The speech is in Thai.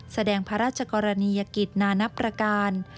แสดงพระราชกรณียกิจนานับประการ